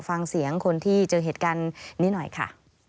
ฟังเสียงคนที่เจอเหตุการณ์นี้หน่อยค่ะ